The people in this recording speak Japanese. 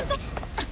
あっ。